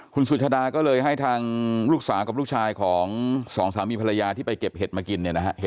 คุณสุชาดาก็เลยให้ทางลูกสาวกับลูกชายของสองสามีภรรยาที่ไปเก็บเห็ดมากินเนี่ยนะฮะ